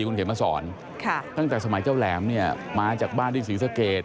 คุณเข็มมาสอนค่ะตั้งแต่สมัยเจ้าแหลมเนี้ยมาจากบ้านที่สีสะเขียจ